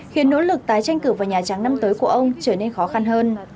khiến nỗ lực tái tranh cử vào nhà trắng năm tới của ông trở nên khó khăn hơn